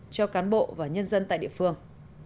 cho cán bộ và nhân dân tại địa phương